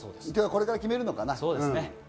これから決めるのかな？